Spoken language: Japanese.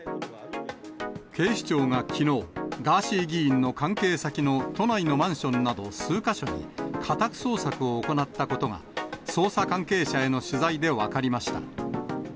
警視庁がきのう、ガーシー議員の関係先の都内のマンションなど数か所に家宅捜索を行ったことが、捜査関係者への取材で分かりました。